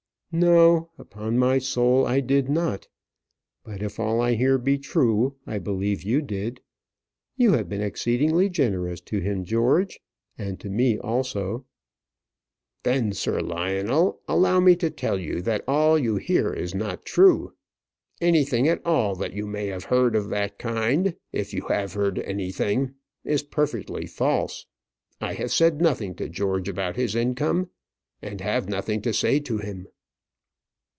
"No, upon my soul I did not; but if all I hear be true, I believe you did. You have been exceedingly generous to him, George and to me also." "Then, Sir Lionel, allow me to tell you that all you hear is not true. Anything at all that you may have heard of that kind, if you have heard anything, is perfectly false. I have said nothing to George about his income, and have nothing to say to him."